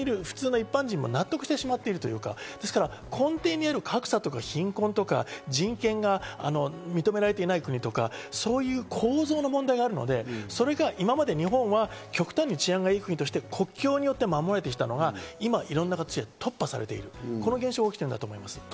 一般人も納得してしまっているという、根底にある格差とか貧困とか人権が認められていない国とか、そういう構造の問題があるので、それが今まで日本は極端に治安が良い国として、国境によって守られてきたのが、今は、いろんな形で突破されてる、こういう現象が起きているんだと思います。